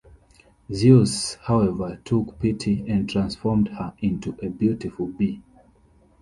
Zeus, however, took pity and transformed her into a beautiful bee.